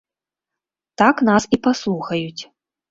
Так нас і паслухаюць.